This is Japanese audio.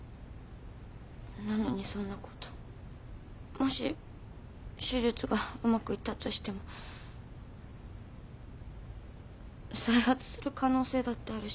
もし手術がうまくいったとしても再発する可能性だってあるし。